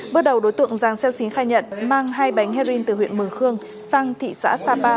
bước đầu đối tượng răng xeo xín khai nhận mang hai bánh heroin từ huyện mừng khương sang thị xã sapa